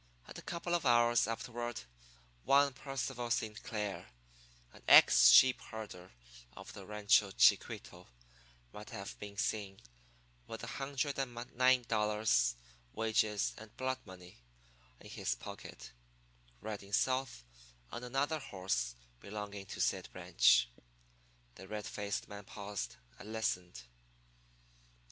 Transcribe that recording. And a couple of hours afterward one Percival Saint Clair, an ex sheep herder of the Rancho Chiquito, might have been seen, with a hundred and nine dollars wages and blood money in his pocket, riding south on another horse belonging to said ranch." The red faced man paused and listened.